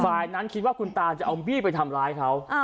ฝ่ายนั้นคิดว่าคุณตาจะเอาบี้ไปทำร้ายเขา